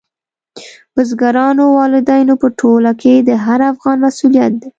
بزګرانو، والدینو په ټوله کې د هر افغان مسؤلیت دی.